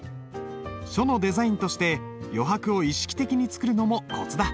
書のデザインとして余白を意識的に作るのもコツだ。